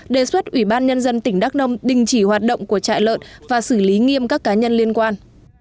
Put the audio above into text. đề xuất ủy ban nhân dân tỉnh đắk nông đình chỉ hoạt động của trại lợn và xử lý nghiêm các cá nhân liên quan